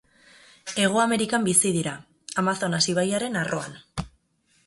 Hego Amerikan bizi dira, Amazonas ibaiaren arroan.